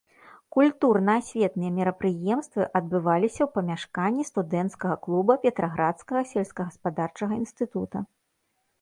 Культурна-асветныя мерапрыемствы адбываліся ў памяшканні студэнцкага клуба петраградскага сельскагаспадарчага інстытута.